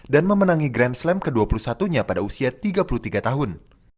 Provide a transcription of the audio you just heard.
dan memenangi grand slam ke dua puluh satu nya pada usia tiga puluh tiga tahun